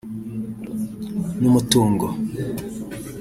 n’umutungo